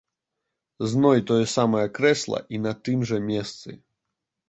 Зноў тое самае крэсла і на тым жа месцы!